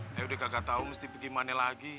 ayah udah kagak tau mesti pergi mana